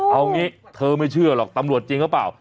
เอางี้เธอไม่เชื่อหรอกตำรวจจริงหรือเปล่า